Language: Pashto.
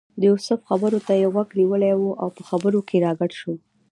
د یوسف خبرو ته یې غوږ نیولی و او په خبرو کې راګډ شو.